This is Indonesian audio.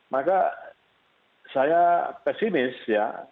maka saya pesimis ya